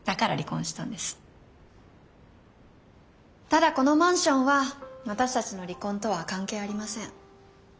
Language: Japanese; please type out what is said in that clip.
ただこのマンションは私たちの離婚とは関係ありません。